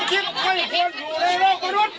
เราเจอเพื่อนบ้านนะก็เพื่อนบ้านสองคนนที่เป็น